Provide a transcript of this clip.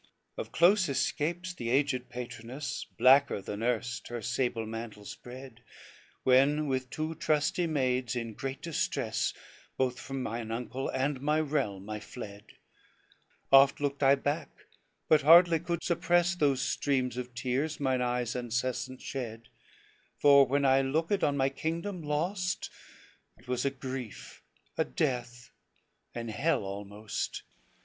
LIV "Of close escapes the aged patroness, Blacker than erst, her sable mantle spread, When with two trusty maids, in great distress, Both from mine uncle and my realm I fled; Oft looked I back, but hardly could suppress Those streams of tears, mine eyes uncessant shed, For when I looked on my kingdom lost, It was a grief, a death, an hell almost.